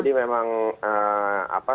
jadi memang apa